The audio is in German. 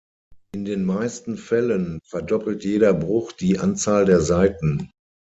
In den meisten Fällen verdoppelt jeder Bruch die Anzahl der Seiten.